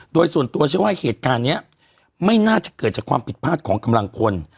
โดยส่วนตัวเชื่อว่าเหตุการณ์นี้ไม่น่าจะเกิดจากความผิดพลาดของกำลังพล